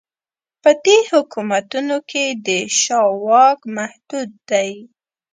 په دې حکومتونو کې د شاه واک محدود دی.